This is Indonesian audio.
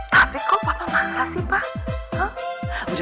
tapi kok papa maksa sih pak